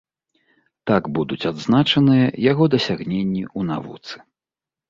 Так будуць адзначаныя яго дасягненні ў навуцы.